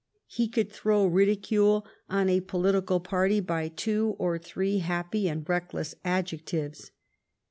He could throw ridicule on a pohtical party by two or three happy and reckless adjec tives.